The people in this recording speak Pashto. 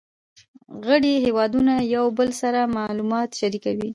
غړي هیوادونه یو بل سره معلومات شریکوي